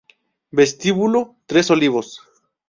Vestíbulo Tres Olivos